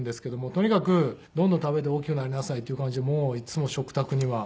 とにかくどんどん食べて大きくなりなさいっていう感じでいつも食卓には。